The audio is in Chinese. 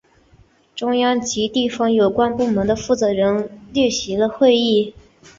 中央及地方有关部门的负责人列席了会议。